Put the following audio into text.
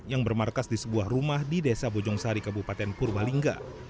yang bermarkas di sebuah rumah di desa bojongsari kabupaten purwalingga